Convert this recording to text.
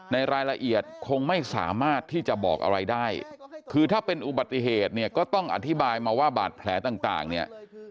ในรายละเอียดคงไม่สามารถที่จะบอกอะไรได้คือถ้าเป็นอุบัติเหตุเนี่ยก็ต้องอธิบายมาว่าบาดแผลต่างเนี่ย